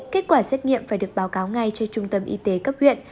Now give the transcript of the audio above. kết quả xét nghiệm phải được báo cáo ngay cho trung tâm y tế cấp huyện